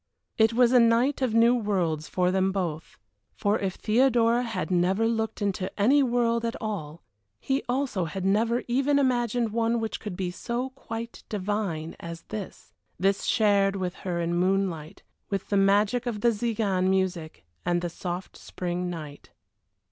It was a night of new worlds for them both, for if Theodora had never looked into any world at all, he also had never even imagined one which could be so quite divine as this this shared with her in the moonlight, with the magic of the Tzigane music and the soft spring night.